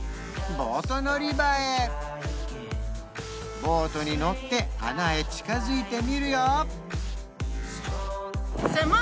ボート乗り場へボートに乗って穴へ近づいてみるよ